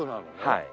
はい。